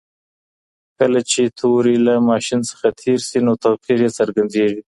کله چي توري له ماشین څخه تېر سي نو توپیر یې څرګندیږي.